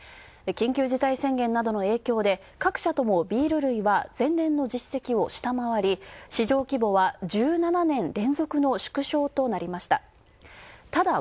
緊急事態宣言などの影響で、各社ともビール類は前年の実績を下回り、市場規模は１７年連続の縮小となりました。